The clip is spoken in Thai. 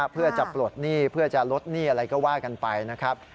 เพื่อจะปลดหนี้เพื่อจะลดหนี้อะไรก็ว่ากันไปนะครับ